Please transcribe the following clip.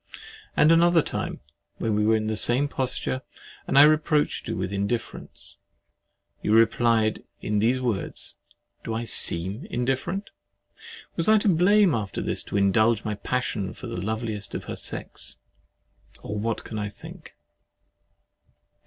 And another time, when you were in the same posture, and I reproached you with indifference, you replied in these words, "Do I SEEM INDIFFERENT?" Was I to blame after this to indulge my passion for the loveliest of her sex? Or what can I think?